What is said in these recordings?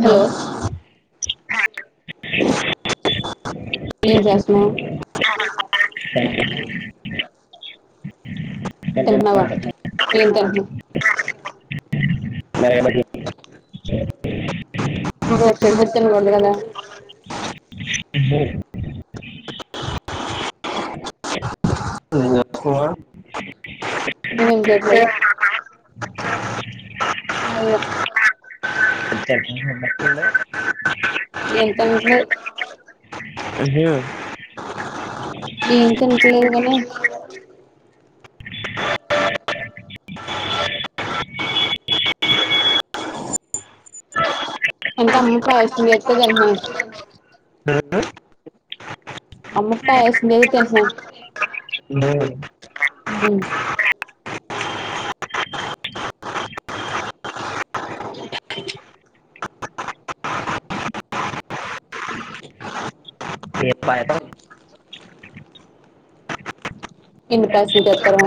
Hello ఏం చేస్తనావ్ సక [unintelligible] [unintelligible] road side food తినకూడదు కదా ఏం చేస్తున్నావ్ ఏం చేయ్యట్లేదు అ అల్ల హెచ్ ఆర్ కి ఇంక నెంబర్ తెల్దే ఎంత మీ ఏమ్ తింటలేదు గాని స అంటే అమ్మ పాయసం జేత్తే తింట్నాను అమ్మ పాయసం జేత్తే తిట్నాను ఏ పాయసం ఎన్ని పాయసం జేత్తరా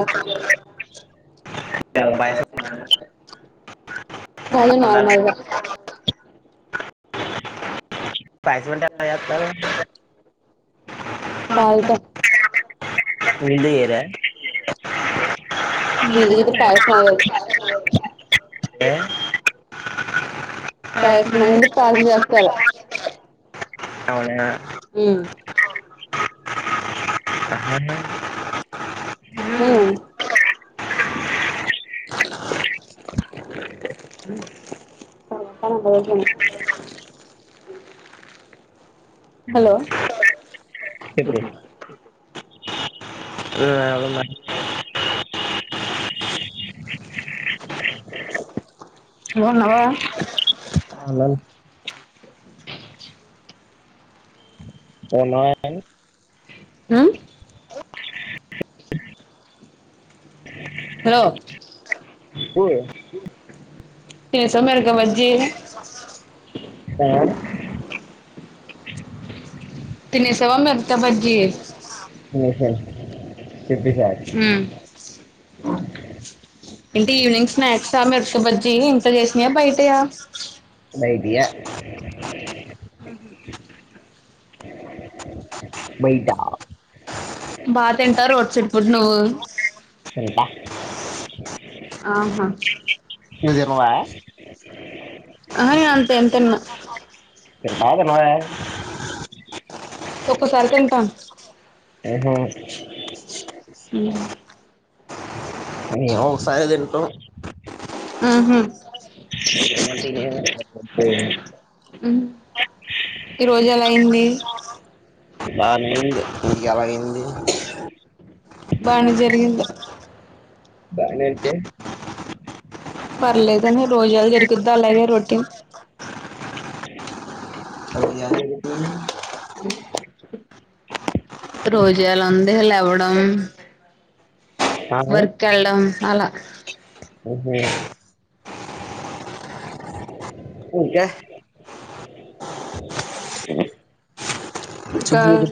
దేవుడి పాయసమ కాదు నార్మల్దే పాయసం అంటే ఎలా జేత్తారు. పాల్తో పాలతో నీళ్ళుతో చెయ్యర నీళ్ళుతో అయితే పాయసం అవ్వదు ఏ? అది పాయసం అనేది పాలుతో చేస్తారు. అవునా ఉమ్ ఆహా. ఉమ్, మ్మ్ కవర్ తో అందులో వేయ్ మ్ ఇందులో ఐదొందలు మాయి బాన్నావ బాన్నావ మ్ హలో పోయె తినేసావ మిరపకాయ్ బజ్జి ఆ ని తినేసావా మిరక బజ్జీ ఆ చెప్పు ఈసారి ఏంటి ఈవినింగ్ స్నాక్సా మిరపకాయ్ బజ్జీ ఇంట్లో చేసినయా బయటయా బయటిఏ ఆహా బయిటా బా తింటావ రోడ్ సైడ్ ఫుడ్ నువ్వు తింట ఆహా నువ్వు తినవా ఆహా నేను అంతేమ్ తిన్ను తింటవా తినవ ఒక్కోసారి తింటాను ఎదో ఒకటి హ్మ్ మేము ఒకసారే తింటాం మ్మ్ హు [unintelligible] ఉమ్ ఈ రోజు ఎలా అయింది బానే అయింది మీకేలాగయింది బానే జరిగింద్ బానే అంటే పర్లేదని రోజలా జరుగుద్దా అలాగే రోటీన్ అదే ఎలా జరుగుతుంది రోజు ఎలా ఉంది లేవ్వడం వర్క్ యెల్లడం అలా ఓహో ఇంకా వచ్చి పూజే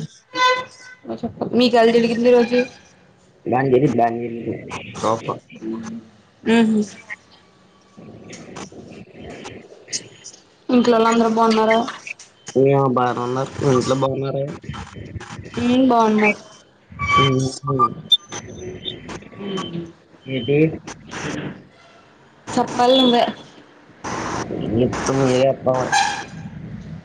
అ చొప్పాలి మీకెలా జరిగింది ఈ రోజు బానే జరిగింది బానే జరిగింది ఫా ప ఉ హు ఇంట్లోళ్ళు అందరు బాగున్నారా మీ ఆ బాగానే ఉన్నారు మీ ఇంట్లో బావున్నారా. ఊ బాగున్నారు ఎమ్ చేస్తున్నారు ఉ హు చొప్పాల్ నువ్వే [unintelligible]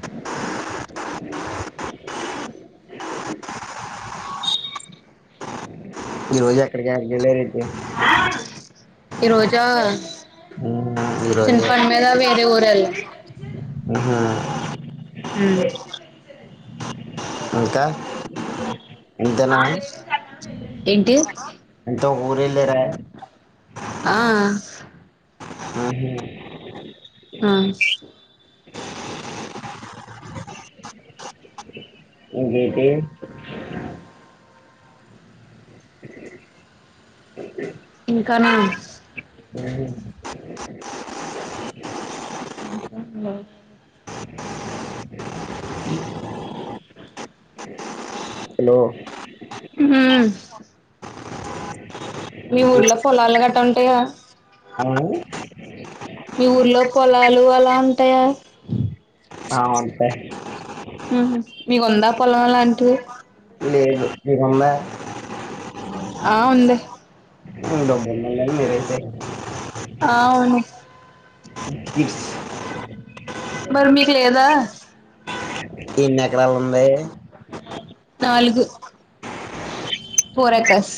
ఈ రోజు ఎక్కడికి యాడికి యెల్లరేంటి ఈ రోజా ఈ చిన్న పని మీద వేరే ఊరెల్లా ఆహ ఉ ఇంకా అంతనా ఏంటి ఎంతో ఊరేల్లారా ఆ ఆ హు ఆ ఇంకేటి ఇంకానా ఇంకా బా [inaudible] హలో ఉమ్ హ మీ ఊర్లో పొలాలు గట్ట ఉంటాయా మీ ఊర్లో పొలాలు అలా ఉంటాయా చ్ ఆ ఉంటాయి ఉహు మీకుందా పొలం లాంటిది లేదు మీకుందా ఆ ఉంది [unintelligible] అవును ఇట్ తీస్ మరి మీకు లేదా ఎన్ని ఎకరాలు ఉంది నాలుగు పోర్ ఎకాస్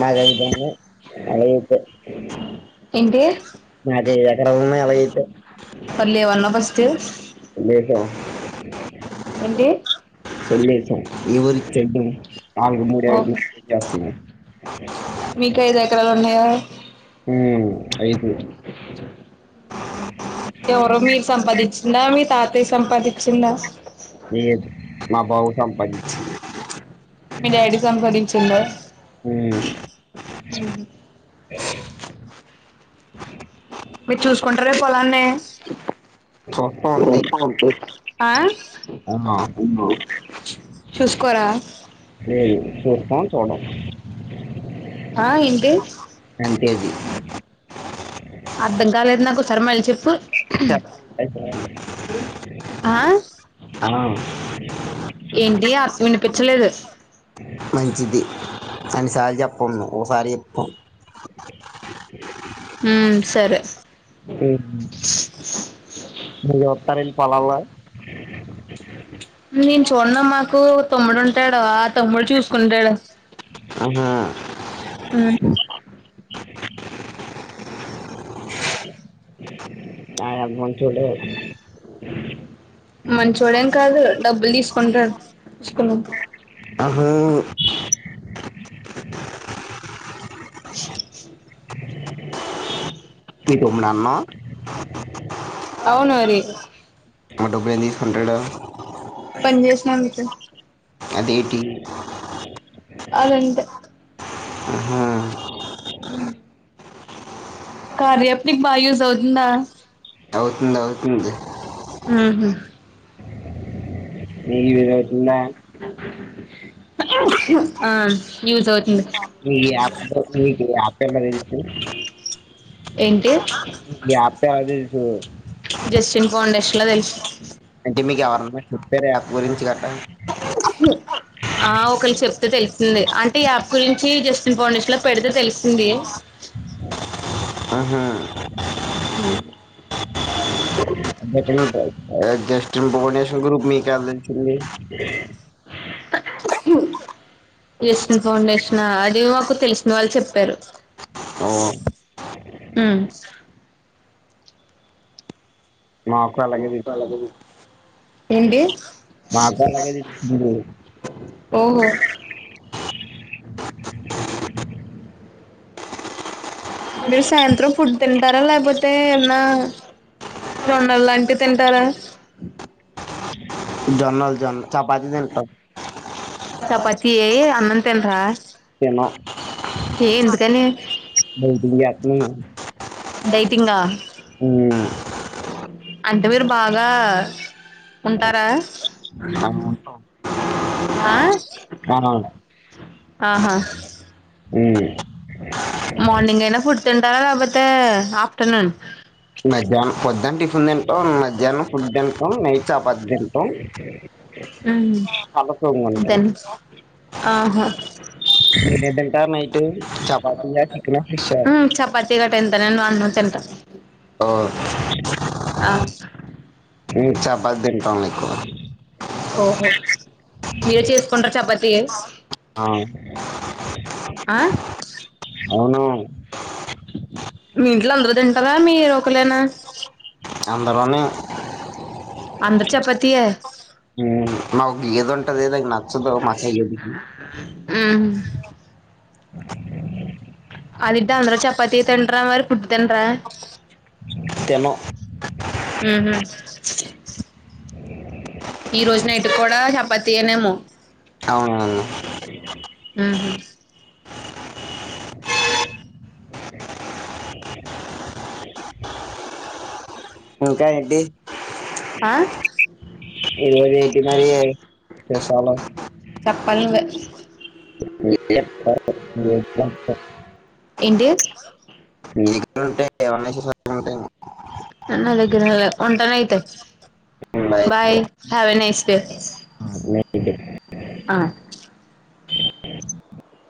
మాది ఐదు ఉంది అయితే ఏంటి నాకే ఎకర ఉన్నాయ్ అలాగైతే మరి లేవన్నావ్ ఫస్ట్ లేదో ఏంటి సల్ సార్ ఎవరికి చెెంట నాలుగు మూడ ఓ చేస్తనాను మీకు ఐద ఎకరాలు ఉన్నాయా ఉమ్ అ ఎవరో మీరు సంపాదించిందా మీ తాతయ్య సంపాదించిందా లేదు మా బాబు సంపాదించి మీ డాడీ సంపాదించిందా ఉమ్ మీరు చూసుకుంటారే పొలాన్ని చూస్తా ఉంటే ఆ ఆ చూసుకోరా చూతాము చోడం ఆ అంతే అది అర్ధం కాలేదు నాకు ఒకసారి మళ్ళీ చెప్పు ఆ అ ఏంటి ఆర్ వినిపించలేదు మంచిది అన్నిసార్లు చెప్పమ్ ఓసారి చెప్తం మ్ సరే మీర్ వత్తారండి పోలాలో నేన్ చూడను మాకు తమ్ముడు ఉంటాడు ఆ తమ్ముడు చూస్త కుంటడు ఆహా ఉమ్ అయ మంచోడే ఓ [inaudible] మంచోడేం కాదు డబ్బులు తీసుకుంటాడు తీసుకొని ఆహో చి ఇప్పుడు అన్నావ్ అవును అది మారి డబ్బేన్ ఎందుకు తీసుకుంటాడు. పని చేసిన మీతోనె అదేటి అదంతే అహ మ్ కార్యప్ నీకు బాగ యూజ్ అవుతుందా అవుతుంది అవుతుంది ఉహు [unintelligible] ఆ యూజ్ అవుతుంది మీప్ కోసం ఈ ఆప్ ఎట్ల తెలుసు ఏంటి ఆప్ ఎలా తెలుసు ఇట్ల తెల్స్ అంటే మీకు ఎవరన్నా చెప్పార అప్ గురించి గట్టా ఆ ఒకల్ చెప్తే తెలిసింది అంటే యాప్ గురించి జస్టిన్ పౌండెష్ లిస్టులో పెడితే తెలిసింది [inaudible] ఆహా జస్ట్ం భువనేశ్యవర్ గ్రూప్ మీకేడ తెలిసింది జస్టిన్ ఫౌండేషన్ నా అది మాకు తెలిసిన వాళ్ళు చెప్పారు. ఓ హ్మ్ మాకు అలాగే జేసింది ఏంటి మాకు అలాగే తెలిసింది. ఓహో మీరు సాయంత్రం ఫుడ్ తింటారా? లేపోతే ఏమన్నా జోండల్ లాంటివి తింటారా? జొన్నలు జొన్ చపాతియే అన్నంతిన్రా? ఏన్న డైటింగ్ ఎత్తునను డైటింగా అంటే మీరు బాగా ఉంటారా? ఆ ఆ ఆహా! ఉమ్ మార్నింగ్ అయినా ఫుడ్ తింటారా లేపోతే ఆఫ్టర్నోన్ మధ్యాహ్నం పొద్దున్న టిఫిన్ తింటాం. మధ్యాహ్నం ఫుడ్ తింటాం. నైట్ చపాతి తింటాం. పళ్లు తోముకుంటాం. తిన్ ఆహా ఏమ్ తింటారు నైట్ చపాతీ చికనా ఫిషా ఎంత ఆ మేమ్ చపాతి తింటాం ఎక్కువ ఓహో మీరే చేసుకుంటరు చపాతి ఆ ఆ అవును. మీ ఇంట్లో అందరు తింటారా మీరు ఒకలేనా? అందురూను అందరు చపాతీయే ఉమ్ నాకు ఏది ఉంటే అది ఏది నచ్చదు మ ఉమ్ అదిడ్డ అంద్రు చపాతి తింటరా మరి పుడ్ తినరా? తినమ్ ఉహుం ఈ రోజు నైటు కూడా చపాతీయనేమో? అవునా ఉహు ఇంకా ఎడ్డీ? [inaudible] ఈ రోజు ఏంటి మరి స్పెషల్? పల్లువే ఏ [unintelligible] ఎంటి? మీకులు ఉంటాయి ఏమన్నా ఉంటాయి. తినాలి తినాలి ఉంటానైతే bye have a nice day okay ఆ [inaudible]